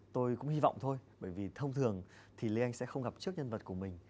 tôi cũng hy vọng thôi bởi vì thông thường thì lê anh sẽ không gặp trước nhân vật của mình